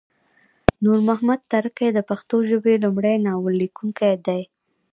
نورمحمد تره کی د پښتو ژبې لمړی ناول لیکونکی دی